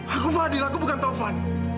aku fadil aku bukan taufan